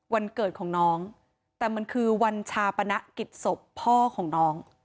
วันเกิดของน้องแต่มันคือวันชาปนกิจศพพ่อของน้อง